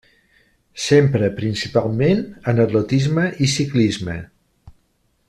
S'empra principalment en atletisme i ciclisme.